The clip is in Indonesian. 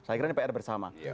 saya kira ini pr bersama